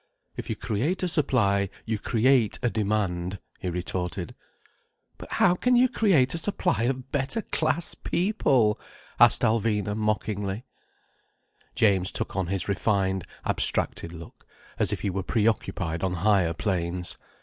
"If you create a supply you create a demand," he retorted. "But how can you create a supply of better class people?" asked Alvina mockingly. James took on his refined, abstracted look, as if he were preoccupied on higher planes.